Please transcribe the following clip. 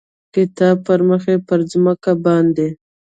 کتاب پړمخې پر مځکه باندې،